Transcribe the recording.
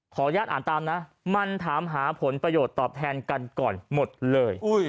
อ่านตามนะมันถามหาผลประโยชน์ตอบแทนกันก่อนหมดเลย